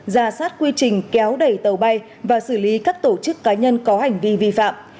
ra soát quy trình kéo đẩy tàu bay và xử lý các tổ chức cá nhân có hành vi vi phạm